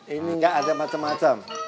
ini gak ada macem macem